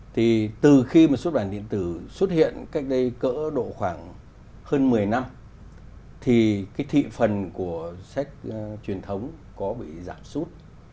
thì từ khi mà xuất bản điện tử xuất hiện cách đây cỡ độ khoảng hơn một mươi năm thì cái thị phần của sách truyền thống có bị giảm sút